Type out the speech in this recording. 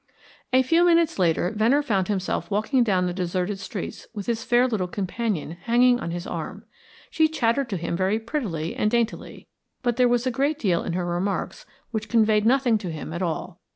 A few minutes later Venner found himself walking down the deserted streets with his fair little companion hanging on his arm. She chattered to him very prettily and daintily, but there was a great deal in her remarks which conveyed nothing to him at all.